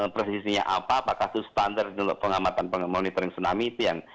presisinya apa apakah itu standar untuk pengamatan monitoring tsunami itu yang